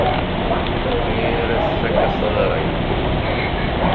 Mi ara tfak asɣaray.